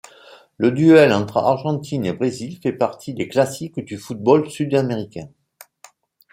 Le duel entre Argentine et Brésil fait partie des classiques du football sud-américain.